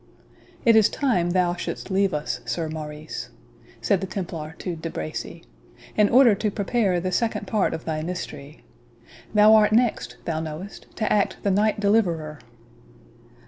"It is time thou shouldst leave us, Sir Maurice," said the Templar to De Bracy, "in order to prepare the second part of thy mystery. Thou art next, thou knowest, to act the Knight Deliverer."